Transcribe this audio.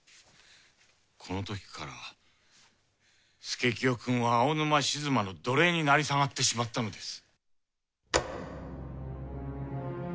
このときから佐清くんは青沼静馬の奴隷になり下がってしまったのです。